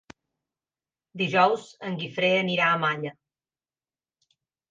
Dijous en Guifré anirà a Malla.